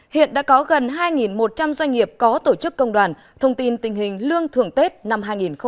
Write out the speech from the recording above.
hiện đã có gần hai một trăm linh doanh nghiệp có tổ chức công đoàn thông tin tình hình lương thưởng tết năm hai nghìn hai mươi